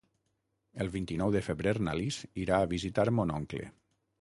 El vint-i-nou de febrer na Lis irà a visitar mon oncle.